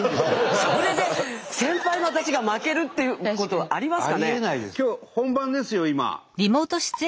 それで先輩の私が負けるっていうことはありますかね？